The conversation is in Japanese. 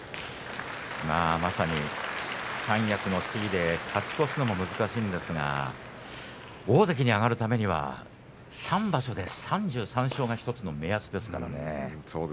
まさに三役の地位で勝ち越すのも難しいんですが大関に上がるためには３場所で３３勝が１つの目安です。